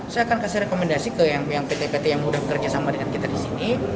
saya akan kasih rekomendasi ke pt pt yang sudah bekerja sama dengan kita di sini